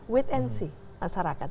wait and see masyarakat